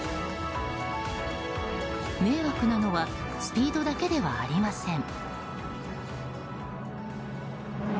迷惑なのはスピードだけではありません。